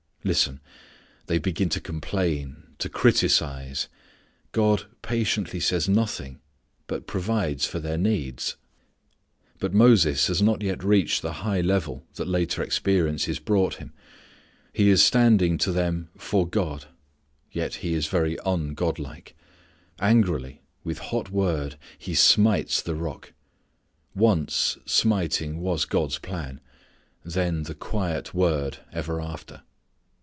Listen: they begin to complain, to criticise. God patiently says nothing but provides for their needs. But Moses has not yet reached the high level that later experiences brought him. He is standing to them for God. Yet he is very un Godlike. Angrily, with hot word, he smites the rock. Once smiting was God's plan; then the quiet word ever after.